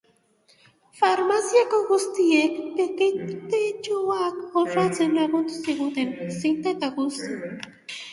Farmaziko guziek paketetxoak osatzen lagundu ziguten, zinta eta guzi.